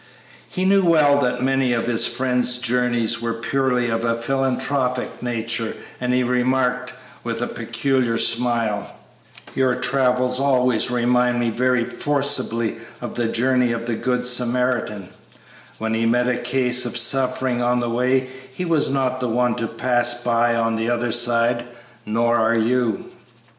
He well knew that many of his friend's journeys were purely of a philanthropic nature, and he remarked, with a peculiar smile, "Your travels always remind me very forcibly of the journey of the good Samaritan; when he met a case of suffering on the way he was not the one to 'pass by on the other side;' nor are you."